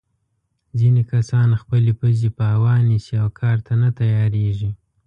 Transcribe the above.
ځینې کسان خپلې پزې په هوا نیسي او کار ته نه تیارېږي.